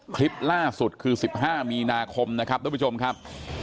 คลิปล่าสุดคือ๑๕มีนาคมนะครับทุกผู้ชมครับ